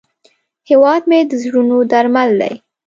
هیواد مې د زړونو درمل دی